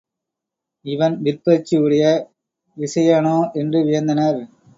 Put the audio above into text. இவன் விற்பயிற்சி உடைய விசயனோ என்று வியந்தனர்.